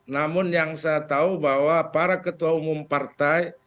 namun yang saya tahu bahwa para ketua umum partai